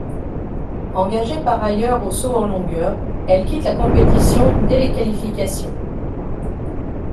Engagée par ailleurs au saut en longueur, elle quitte la compétition dès les qualifications.